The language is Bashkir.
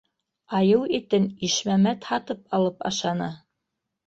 Айыу итен Ишмәмәт һатып алып ашаны!